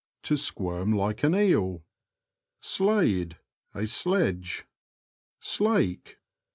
— To squirm like an eel. Slade. — A sledge. Slake.